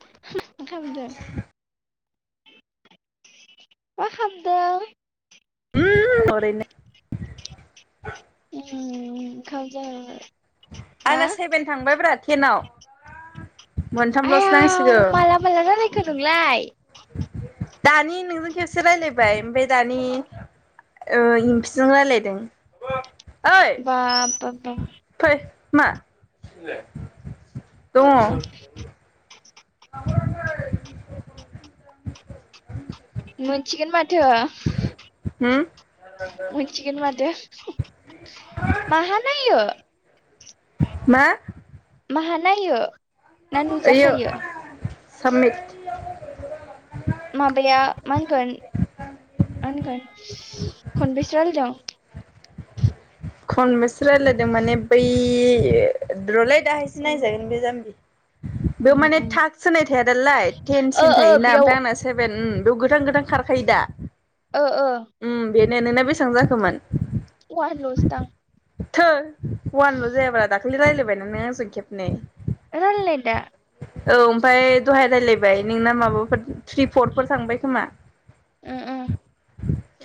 [unintelligible] मा खालामदों उम दङ ओरैनो उम ओंखाम जाबाय आंना सेभेन थांबायब्रा टेनाव मोनथामल'सो आयाव नांसिगौ माला माला रायलायखो नोंलाय दानि नोंजों खेबसे रायलायबाय ओमफ्राय दानि ओ इमफिजों रायलायदों ओइ बा बाफ बाफ फै मा दङ मोनसिगोन माथो हो मोनसिगोन माथो माहा नायो मा माहा नायो ना ओइयो नुजाखायो साबमिट माबाया मा होनगोन मा होनगोन खनबेसे रायलायदों खनबेसे रायज्लायदों माने बै र'लै दाहायसो औ नायजागोन बे जाम्बि बेयाव उम माने उम टाक्स होनाय थाया दालाय ओ टेनसिम ओ थायोना बेयाव ओमफ्राय आंना सेभेन बेयाव गोथां गोथां खारखायो दा ओ ओ बेनो नोंना बेसबां जाखोमोन ववानलसो दां थो वानल' जायाब्रा दाखालि रायलायबाय ना नों आं जों खेबनै रायलायनाय दा औ ओमफाय दहाय राय्लायबाय नोंना माबाफोर थ्रि फरफोर थांबाय खोमा ओ ओ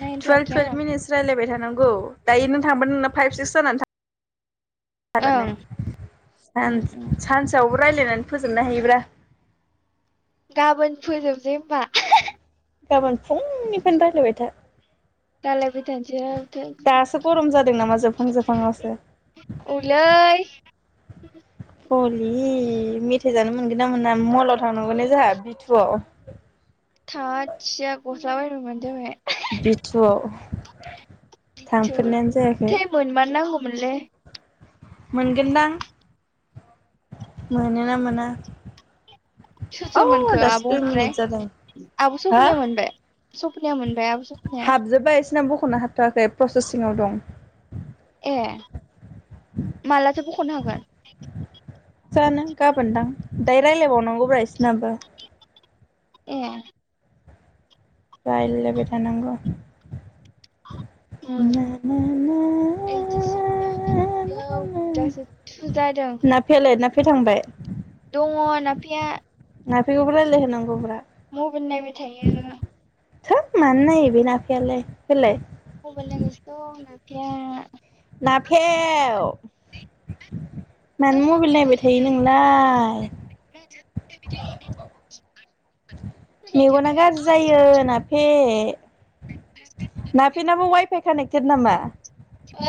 नायनो रोङाखै आङो टुवेल्भ मिनिटस रायलायबाय थानांगौ दायो नों थांबा नोंना फाइभ सिक्स जानानै था ओं [unintelligible] उम सान उम सानसेयावबो रायज्लायनानै फोजोबनानै हायोब्रा गाबोन फोजोबसै होमबा गाबोन फुंनिफ्रायनो रायलायबाय था रायलायबाय थानोसै रायलायबाय थानोसै दासो गरम जादों नामा जोबहां जोबहाङावसो औलै हलि मेथाइ जानो मोनगोन ना मोना मलाव थांनांगौ ने जोंहा बिथुआव थाथिया गस्ला बायनो मोनबानो जाबाय बि थुआव बि थु थै मोनमार नांगौमोनलै मोनगोनदां मोनोना मोना सोर औ सोर मोनखो दासो आब' दुइ ओमफ्राय मिनिट जादों आब' हा सफनाया मोनबाय सफनाया मोनबाय आब' स हाबजोबाय इसिना बखनो हाबथ'वाखै प्रसेसिङाव दं ए मालाथो बख'नो हागोन जानो गाबोन दां दायो रायलायबावनांगौब्रा इसनाबो ए रायलायबाय थानांगौ ओम ना ना ना [unintelligible] नाफेयालाय नाफेया थांबाय दङ नाफेया नाफेखौबो रायलाय होनांगौब्रा मबेल नायबाय थायो थोद मानो नायो बे नाफेयालाय होलाय मबाइल नायगासिनो दं नाफेया नाफेव मानो ओइ मबाइल ओइ नायबाय थायो नोंलाय [unintelligible] मेगना थायो गाज्रि जायो नाफे नाफिनाबो वाइफाइ कानेक्टेसन नामा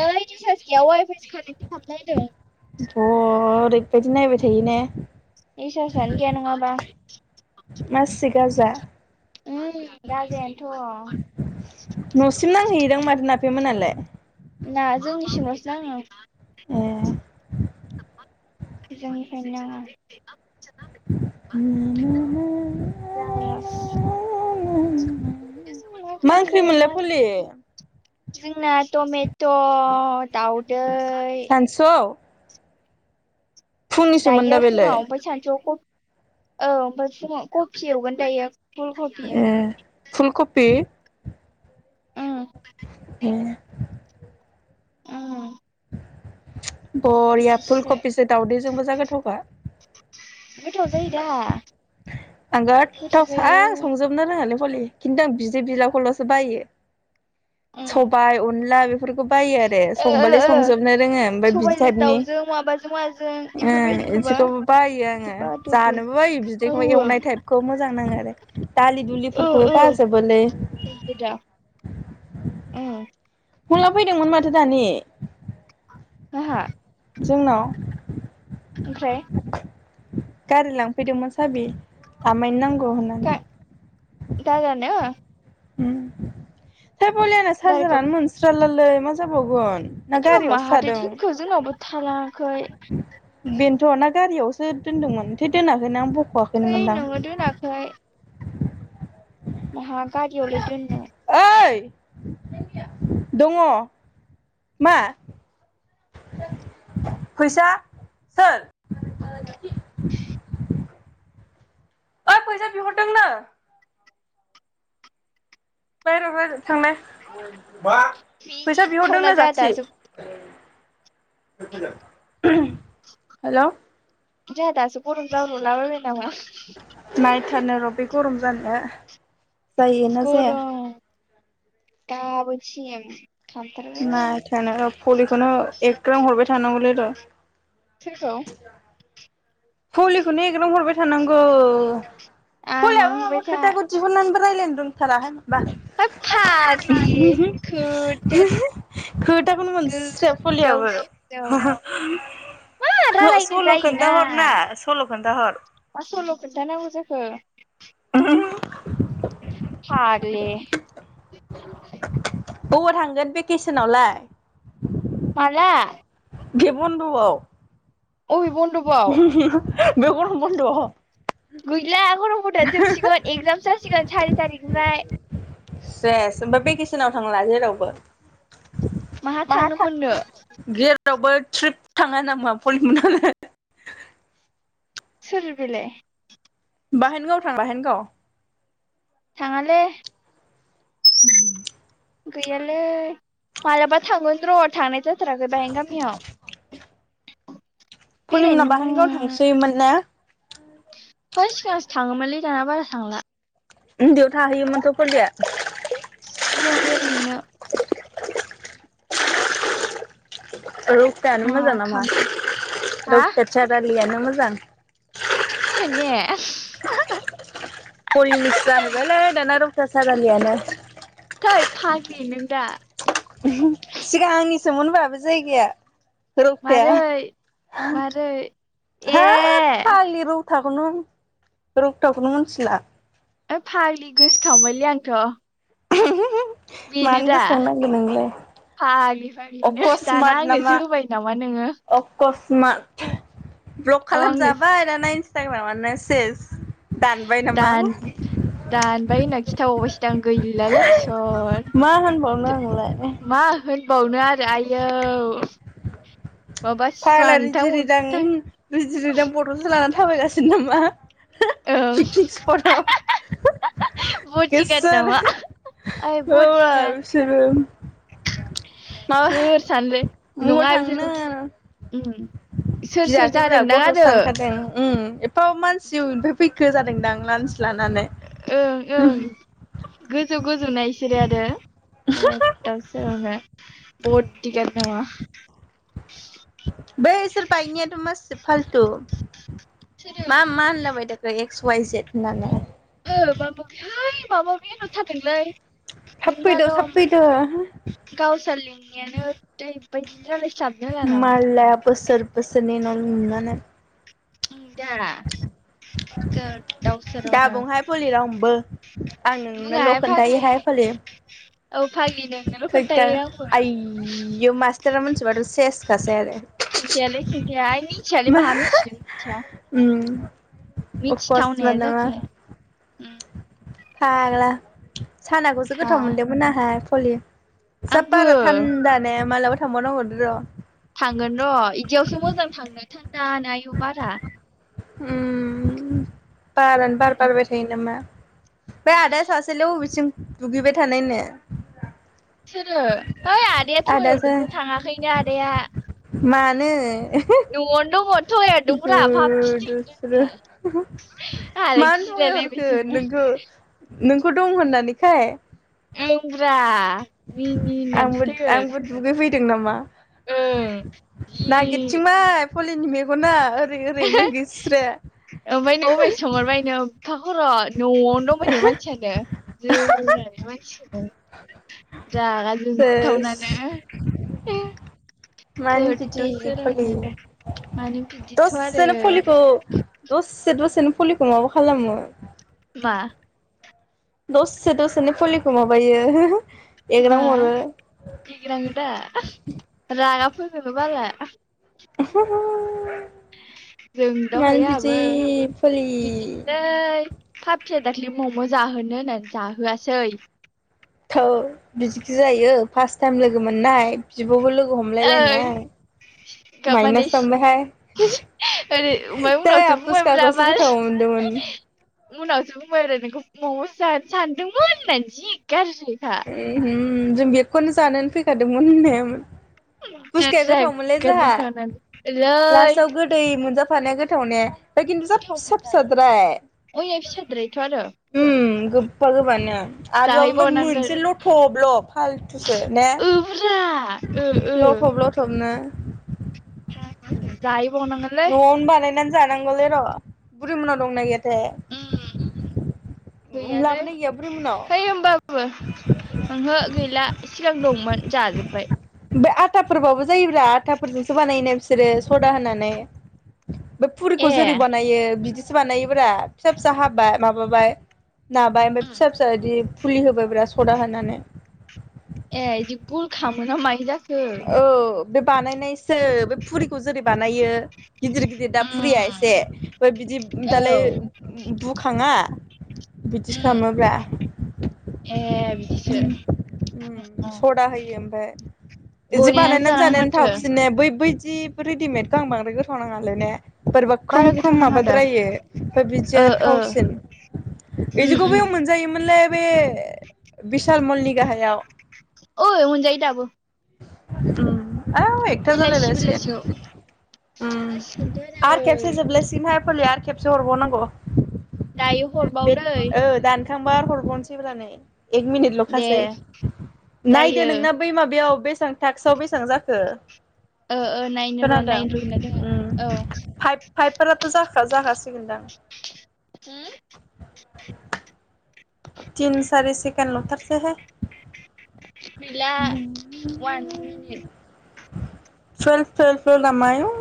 ओइ रिसार्ज गैया वाइफाइसो कानेक्टेट खालामनायनो बह ओरैबायदि नायबाय थायो ने रिसार्चानो गैया नङाबा मासि गाजा राजायानोथ' न'सिम नांहैदां माथो नाफेमोनालाय नाङा जोंनिसिमल'सो नाङो ए जोंनिफ्राय नाङा जारलासो [unintelligible] मा ओंख्रि खालामनो मोनलाय मा फुलि [unintelligible] जोंना टमेट' दावदै हुनस दायो मोनदा बेलाय फुङाव ओमफ्राय सानसुआव औ ओमफ्राय फुङाव कफि एवगोन दायो फुल कफि ए फुलकपि ओं हे ओम बरिया बिदिसो फुलकबिसो दावउदैजोंबो जा गाथावखा गोथाव जायो दा आं गोथाव सां संजोबो नो रोङालै भलि खिन्थु आं बिदै बिलाखौल'सो बायो उम सबाय अनला बेफोरखौ बायो आरो ओ ओ संबालाय संजोबनो रोङो ओमफ्राय बिदि सबायजों टाइपनि [unintelligible] ओ माबाजों माजों इफोरबायदिखौबा इसेखौबो बायो आङो थिबा दौवो जानोबो बायो बिदैखौ औवो एवनाय था खौ मोजां नाङो आरो दालि दुलिफोरखौबो बाजोबोलै नंगौदा [inaudible] ओम हंला फैदोंमोन माथो दानि आहा जोंनाव ओमफ्राय गारि लांफैदोंमोन साबि आमायनो नांगौ होनना दा दादानो ओम बलि आंना दादाखौ चार्जारानो मोनस्रालालै मा जाबावगोन ना जेनेबा गारियावसो माहाथो थादों दिनखो जोंनावबो थालाङाखै बेनोथ' ना गारियावसो दोनदोंमोन दोनाखैना आं बख'वाखै थै नोंनो दोनाखै माहा गारियावलाय दोननो ओइ दङ मा फैसा सोर [inaudible] ओइ फैसा बिहरदोंनो दे माबार थांलाय मा फैसा बिहरदोंनो मिनिथावना जोंहा जाथि दासो [inaudible] हेलौ जोंहा दासो गरम जाब्रबला बालबाय नामा नायथारनो र बे गरम जानो गरम गाबोनसिम खामथारगोन माथोआनो' भलिखौनो एग्रां हरबाय थानांगौलै र सोरखौ [inaudible] भलिखौनो एग्रां हरबाय थानांगौ आंनाव भलियाबो माबा होनबाय था खोथाखौ दिहुननानैबो रायज्लायनो रोंथाराहाय माबा होद फाग्लि खोदोद खोथाखौनो मोनस्राया भलियाबो गोदावसोदाव रायलायनो सल' खोनथा जायोना हर ना सल' खोनथा हर मा सल' खोन्थानांगौ जाखो फाग्लि अबाव थांगोन भेकेसनावलाय माला बे बन्दवाव अबे बन दबाव बे गरम बन्द'आव गैला गरम बनदआनो जोबसिगोन एक्जाम जासिगोन सारि थारिख निफ्राय सेस होमबा भेकेसनाव थांला जेरावबो माहा थांनो मोननो थांनो जेरावबो ट्रिप थाङा नामा [unintelligible] सोर बेलाय बाहेनगाव थां बाहेनगाव थाङालै गैयालै मालाबा थांगोन र' थांनाय जाथाराखै बाहाय गामियाव पलिमोना बेरायनोनो बाहेनगाव है थांसैयोमोन ने है सिगांसो थाङोमोनलै दाना बारा थांला उन्दैयाव थाहैयोमोनथ फलिया जों बेरायहैनो रौतायानो मा मोजां नामा खामबाय हा रौता सारियालियानो मोजां थांने पलानिसो जाहैबायलै दाना रौता सारिआलियानो थै फाग्लि नों दा [unintelligible] सिगां आंनिसोमोन होमबा बे जायगाया रौताया मारै मारै होद ए फाग्लि रौ ताखौनो रौताखौनो मिथिला ओइ फाग्लि गोसोखांबायलै आंथ बेनो मानो दा गोसोखांनांगौ नोंलाय फाग्लि फाग्लिनो दाना अकसमात नामा आंनोसो होबाय नामा नोङो अकसमात ब्लक अ आंनो खालामजाबाय [unintelligible] इनस्टाग्राम सेज दान दानबाय होनना खिथाबावबायसोदां गै लासै मा होनबावनो इसर आंलाय मा होनबावनो आरो आयौ माबा फाग्ला सिमांथां रिदि रिदां मोगथां रिदि रिदां बट'सो लानानै थाबायगासिनो नामा ओं पिकनिक सिपटाव बडिगार्ड नामा ओइ बडिगार्ड [unintelligible] माबा सोर सानलै मबाव नङा बिसोरखौ थांनो गि उम सोर सोर गियाखैब्रा जादोंदां गथ'सो आरो सानखादों उम ए फा मानसि अबेनिफ्राय फैखो जादोंदां मानसि लानानै ओं ओं गोजौ गोजौ ना इसोरो आरो गोदाव सावनो बदिगाट नामा बैसोर बायनियाथ' मासि फालथु सोरो मा मा होनलाबाय थायो बे एक्स वाइ जेद होननानै ओ माबा थाय माबा माबि होन हर थारदोंलै थाब फैद' थाब नोंनाल' फैद' गावस्रा‌ लिरनायानो ओरैबायदि [unintelligible] नामा मालाया बोसोर बोसोरनि उनाव नुनानै उम दा गोदावसोरावनो दाबुंहाय फलि रावनोबो आं नोंनोल' बुङाहाय फाग्लि खोन्थायोहाय फलि औ फाग्लि नों खैखा आयौ मास्टारा मोनथि बाथ' सेसखासै आरो खिनथायालै खिन्थायालै ओय मिथियालै मा माहा मिथिनो मिथिया उम अफसमान मिथिथावनायानो नामा जाखाया उम फाग्ला सानाखौसो हा गोथाव मोनदोंमोन आंहा पलि जा आंबो बारा थान्दा ने मालाबा थांबावनांगौलै र' थांगोन र' बिदियावसो मोजां थांनो थानदा आयु बारा उम बारानो बार बारबाय थायो नामा बे आदा सा सेलाय अबिथिं दुगैबाय थानायनो [unintelligible] सोरो हैइ आदाया थगाय आदासो हरदोंसो थाङाखैनो आदाया मानो न'आवनो दङ' थगाय हरदोंब्रा फाफि गोदोसोरो आंहालाय मानो गिलाय थगायहरखो लायबायसोमोन। नोंखौ नोंखौ दं होननानैखाय ओं ब्रा आंबो आंबो दुगै फैदों नामा ओं जि नागिरथिंबाय फलिनि मेगना ओरै ओरै ओमफाय गैस्राया [unintelligible] फा खर' न'आवनो दंबाय थायो मानसियानो जोनानै सेस मानसिखौनो रागा जोंथावनानो मानो बिदि गोदाव सोरावनो मानो बिदि सोनो फलिखौ‌ दसे दसेनो फलिखौ माबा खालामो। मा? दसे दसेनि फलिखौ माबायो मा एग्रां हरो एग्राङोदा रागा फोजोङो बाला [inaudible] मानो जोंदावखायो बिदि फलि ओइ फाफिया दाखलि मम' जाहोनो होननानै जाहोआसै थोद बिदिखि जायो फास्ट टाइम लोगो मोननाय। बिब'बो लोगो हमलायलायनाय। माने माइनास थांबायहाय ओरै ओमफ्राय जै उनावसो आफसुसखा बुंबायब्रा गस जि मा गोथाव‌ मोनदोंमोन उनावसो बुंबाय आरो नोंखौ मम'सो जानो सानदोंमोन होननानै जि गाज्रिखा जों बेखौनो जानोनो फैखादोंमोन होनना हायामोन पुस्खाया गोथावमोनलै रागाजों जाहा थांनानै ओलै लासथाव गो दै मोनजाफानाया गोथाव ने ओमफाय खिन्थु जा गोथाव फिसा मोना फिसाद्राय अया फिसाद्रायथ' आरो ओम गोबबा गोबबानो आलुआबो ओमफाय मोन जाहैबावनांगोन एसे लथ'ब ल' फालथुसो ने ओब्रा ओ ओ लथ'ब लथ'बनो जाहै बावनांगोन न'आवनो बानायनानै जानांगौलै र' बुरि मोननाव दंना गैयाथाय उम गैयालै लाबोनाय गैया बुरि मोननाव है होमबा ओहो गैला सिगां दंमोन जाजोबबाय ओमफाय आटाफोरबाबो जायोब्रा आटाफोरजोंसो बानायोना बिसोरो स'दा होनानै बै पुरिखौ ए जेरै बानायो बिदिसो बानायोब्रा फिसा फिसा हाबाय माबाबाय नाबाय ओमफाय उम फिसा फिसा इदि फुलि होबाय ब्रा सदा होनानै ए इदि गल खामोना मायो जाखो औ बे बानायनायसो बे फुरिखौ जेरै बानायो गिदिर गिदिर दा फुरिया एसे उम ओमफाय बिदि औ दालाय बुखाङा बिदि उम खालामोब्रा, ए बिदिसो ओम ओम स'दा होयो ओमफाय इदि बनायनानै बानायनानै जानांगोन जानायानो माथो थाबसिन ने बै बैदि रेडिमेदखौ आं बांद्राय गोथाव नाङालै ने बोरैबा बारा ख्रम गोथाव ख्रम नाङा दा माबाद्रायो ओमफाय ओ बिदिया ओ थावसिन इदिखौ उम उम बैयाव मोनजायोमोनलै बे बिशाल मलनि गाहायाव औ मोनजायो दाबो ओम आ एकथा जालाय बेलासि बेलासियाव लायसिगोन, ओम आरो खेबसे जोबलाय सिन्हा फलि आरो खेबसे हरबावनांगौ दायो बे हरबावदै ओ दान थांबा आरो हरबावनोसैब्रा नै एक दे मिनिटल'खासै नायदो जायो नोंनो बै माबायाव बेसेबां टाक्सआव बेसेबां जाखो ओ ओ नायनो र' खोनादों नायनो रोंगोन ना रोङा ओम औ फाइभ फाइभ [unintelligible] ' जाख जागासिगोनदां [unintelligible] थिन सारि सेकेन लथारसे हाय गैला दों वान मिनिट [inaudible] सोर सोर सोरना मायाव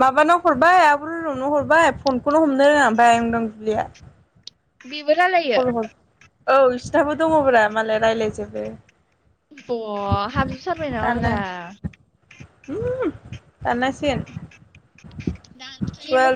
माबाना हरबाय आब रिनुनाव हरबाय फनखौनो हमनो रोंङा ओमफ्राय आयं दांदुब्लिया बेबो रायलायो औ बिसोरनाबो दंङोब्रा मालाय रायज्लायजोबो ब हाबजोब सारबाय नामाब दा जसिन [unintelligible] दांदुलिया